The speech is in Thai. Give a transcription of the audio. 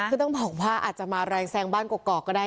คือต้องบอกว่าอาจจะมาแรงแซงบ้านกอกก็ได้